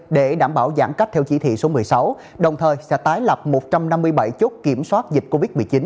để đảm bảo giãn cách theo chỉ thị số một mươi sáu đồng thời sẽ tái lập một trăm năm mươi bảy chốt kiểm soát dịch covid một mươi chín